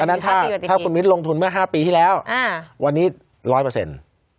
นั้นถ้าคุณมิ้นลงทุนเมื่อ๕ปีที่แล้ววันนี้ร้อยเปอร์เซ็นต์